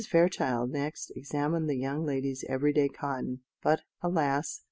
Fairchild next examined the young lady's everyday cotton; but, alas!